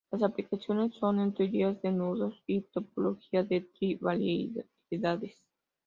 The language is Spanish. Las aplicaciones son en teorías de nudos y topología de tri variedades.